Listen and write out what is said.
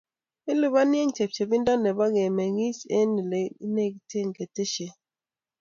Ilipani eng chepchepindo nebo kemegis eng' ole negitee keteshet